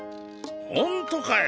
ほんとかよ。